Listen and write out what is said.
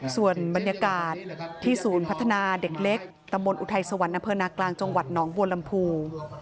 ส่วนบรรยากาศที่ศูนย์พัฒนาเด็กเล็กตำบลอุทัยสวรรค์อำเภอนากลางจังหวัดหนองบัวลำพู